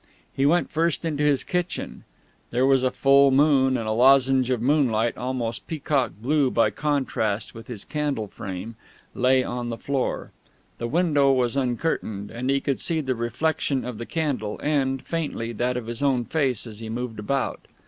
He went first into his kitchen. There was a full moon, and a lozenge of moonlight, almost peacock blue by contrast with his candle frame, lay on the floor. The window was uncurtained, and he could see the reflection of the candle, and, faintly, that of his own face, as he moved about.